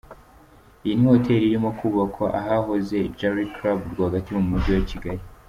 Iyi ni Hotel irimo kubakwa ahahoze Jali Club rwagati mu Mujyi wa Kigali.